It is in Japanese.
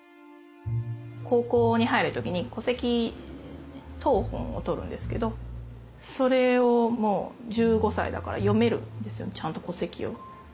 高校に入る時に戸籍謄本を取るんですけどそれを１５歳だから読めるんですちゃんと戸籍を。